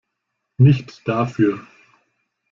Nicht dafür!